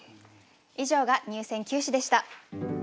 以上が入選九首でした。